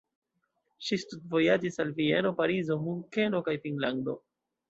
Ŝi studvojaĝis al Vieno, Parizo, Munkeno kaj Finnlando.